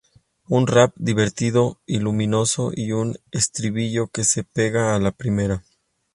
Un "rap" divertido y luminoso y un estribillo que se pega a la primera.